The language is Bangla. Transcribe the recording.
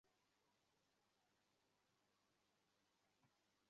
কিন্তু কিছুটা পারিশ্রমিক পেলে তাঁরা আরও ভালো করার জন্য অনুপ্রাণিত হবেন।